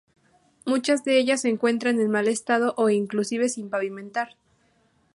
Muchas de ellas se encuentran en mal estado o inclusive sin pavimentar.